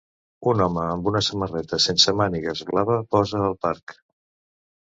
Un home amb una samarreta sense mànigues blava posa al parc.